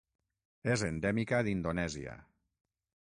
És endèmica d'Indonèsia.